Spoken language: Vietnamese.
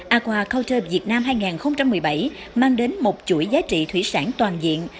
aqua couter việt nam hai nghìn một mươi bảy mang đến một chuỗi giá trị thủy sản toàn diện